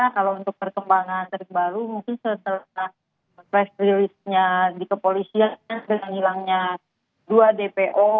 kalau untuk perkembangan terbaru mungkin setelah press release nya di kepolisian dengan hilangnya dua dpo